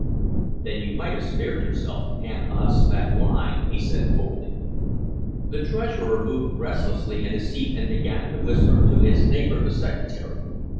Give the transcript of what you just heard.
"Then you might have spared yourself and us that lie," he said coldly. The Treasurer moved restlessly in his seat, and began to whisper to his neighbor the Secretary.